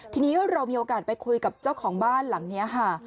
ทีนี้เรามีโอกาสไปคุยกับเจ้าของบ้านหลังนี้ค่ะ